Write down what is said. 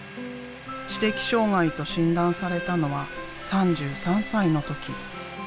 知的障害と診断されたのは３３歳の時。